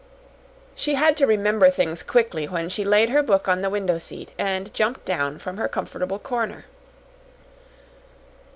She had to remember things quickly when she laid her book on the window seat and jumped down from her comfortable corner.